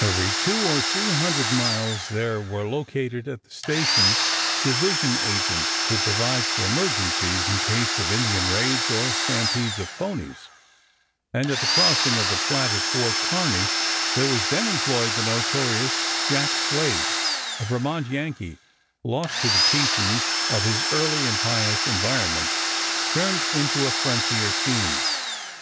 Every two or three hundred miles there were located at the stations division agents to provide for emergencies in case of Indian raids or stampedes of ponies, and at the crossing of the Platte at Fort Kearney there was then employed the notorious Jack Slade, a Vermont Yankee, lost to the teachings of his early and pious environments, turned into a frontier fiend.